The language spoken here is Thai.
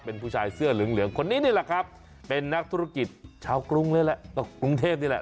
เป็นผู้ชายเสื้อเหลืองเหลืองคนนี้นี่แหละครับเป็นนักธุรกิจชาวกรุงเลยแหละก็กรุงเทพนี่แหละ